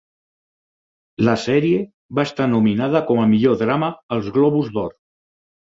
La sèrie va estar nominada com a millor drama als Globus d'Or.